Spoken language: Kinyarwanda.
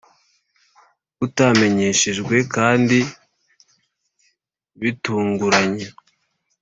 kutamenyeshejwe kandi bitunguranye,